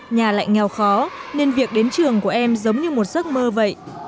nhà lại nghèo khó nên việc đến trường của em giống như một giấc mơ vậy